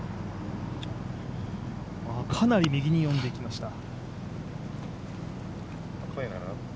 かなり右に読んでいきました。